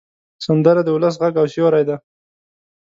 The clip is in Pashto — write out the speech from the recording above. سندره د ولس غږ او سیوری ده